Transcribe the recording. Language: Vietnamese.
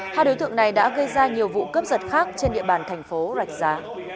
hai đối tượng này đã gây ra nhiều vụ cướp giật khác trên địa bàn thành phố rạch giá